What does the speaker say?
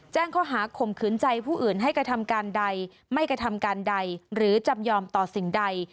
แจ้งข้อหาข่มขืนใจผู้อื่นให้กระทำการใดไม่กระทำการใดหรือจำยอมต่อสิ่งใด